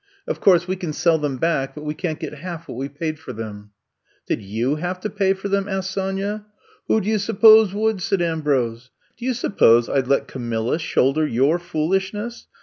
Of course, we can sell them back but we can 't get half what we paid for them. *' *'Did you have to pay for themf asked Sonya. *' Who do you suppose would f said Am brose. ''Do you suppose I 'd let Camilla shoulder your foolishness!